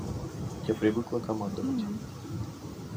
Я привыкла командовать.